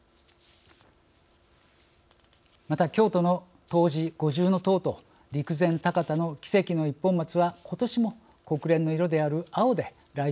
また京都の東寺五重塔と陸前高田の奇跡の一本松はことしも国連の色である青でライトアップされました。